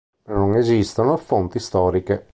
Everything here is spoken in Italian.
Ma non esistono fonti storiche.